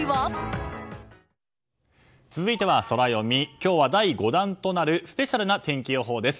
今日は第５弾となるスペシャルな天気予報です。